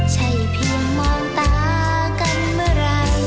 ใช่เพียงมองตากันเมื่อไหร่